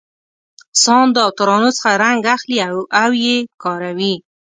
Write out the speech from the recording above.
ساندو او ترانو څخه رنګ اخلي او یې کاروي.